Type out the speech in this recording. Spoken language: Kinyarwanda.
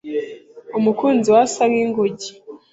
Umukunzi we asa ninguge.